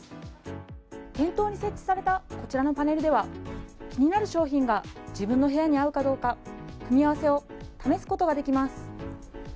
店頭に設置されたこちらのパネルでは気になる商品が自分の部屋に合うかどうか組み合わせを試すことができます。